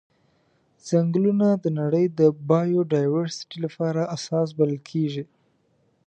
ځنګلونه د نړۍ د بایوډایورسټي لپاره اساس بلل کیږي.